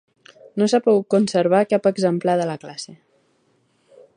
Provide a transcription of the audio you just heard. No s'ha pogut conservar cap exemplar de la classe.